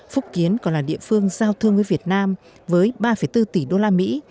phúc kiến còn là địa phương giao thương với việt nam với ba bốn tỷ đô la mỹ